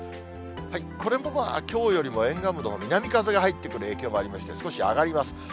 これもきょうよりも沿岸部のほう、南風が入ってくる影響もありまして、少し上がります。